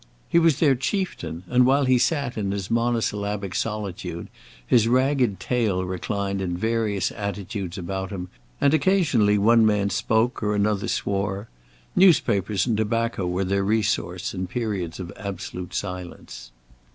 He was their chieftain, and while he sat in his monosyllabic solitude, his ragged tail reclined in various attitudes about him, and occasionally one man spoke, or another swore. Newspapers and tobacco were their resource in periods of absolute silence.